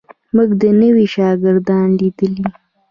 موږ نوي شاګردان لیدلي.